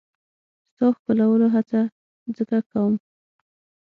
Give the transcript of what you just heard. ستا ښکلولو هڅه ځکه کوم.